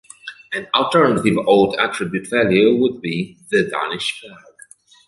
An alternative alt attribute value would be "The Danish flag".